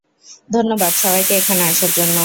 ধন্যবাদ সবাইকে এখানে আসার জন্য।